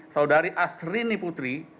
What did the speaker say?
dua saudari asrini putri